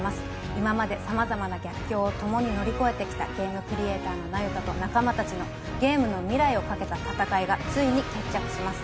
今まで様々な逆境を共に乗り越えてきたゲームクリエイターの那由他と仲間達のゲームの未来を懸けた戦いがついに決着します